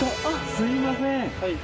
すいません。